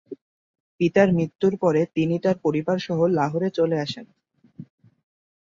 পিতার মৃত্যুর পরে তিনি তার পরিবারসহ লাহোরে চলে আসেন।